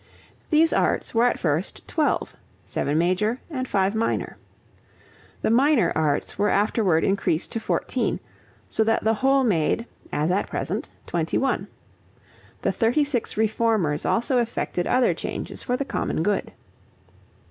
These arts were at first twelve, seven major and five minor. The minor arts were afterward increased to fourteen, so that the whole made, as at present, twenty one. The thirty six reformers also effected other changes for the common good.